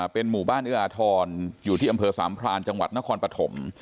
เป็นหมู่บ้านเอื้ออาทรอยู่ที่อำเภอสามพรานจังหวัดนครปฐม